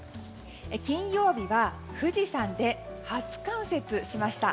金曜日は富士山で初冠雪しました。